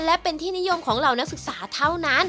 และเป็นที่นิยมของเหล่านักศึกษาเท่านั้น